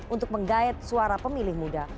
untuk menggait suara pemilih muda